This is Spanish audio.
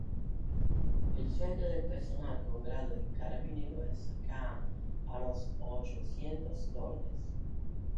El sueldo del personal con grado de carabinero es cercano a los ochocientos dólares.